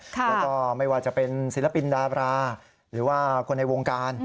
แล้วก็ไม่ว่าจะเป็นศิลปินดาราหรือว่าคนในวงการ